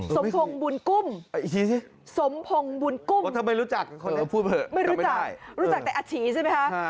สมพงษ์บุญกุ้มสมพงษ์บุญกุ้มไม่รู้จักแต่อาชีใช่ไหมคะ